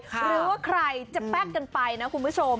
หรือว่าใครจะแป๊กกันไปนะคุณผู้ชม